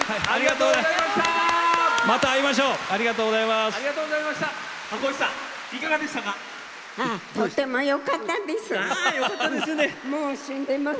とってもよかったです。